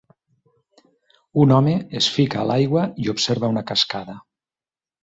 Un home es fica a l'aigua i observa una cascada.